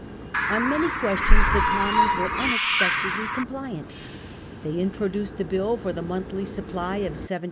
On many questions the Commons were unexpectedly compliant They introduced a bill for the monthly supply of 70,000